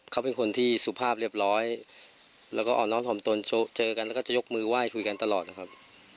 เขาเป็นคนที่สุภาพเรียบร้อยอ่อนอ้อนหอมตนเจอกันและยกมือไหว้คุยกันตลอดนะครับ